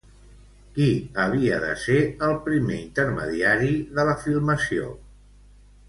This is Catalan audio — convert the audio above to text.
Qui havia de ser el primer intermediari de la filmació?